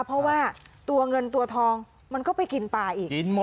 เพราะว่าตัวเงินตัวทองมันก็ไปกินปลาอีก